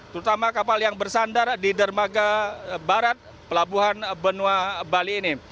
terutama kapal yang bersandar di dermaga barat pelabuhan benua bali ini